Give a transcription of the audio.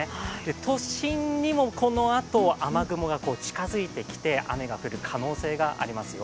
都心にもこのあと、雨雲が近づいてきて雨が降る可能性がありますよ。